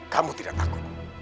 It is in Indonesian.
kamu tidak takut